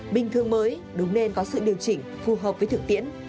bình thường mới đúng nên có sự điều chỉnh phù hợp với thực tiễn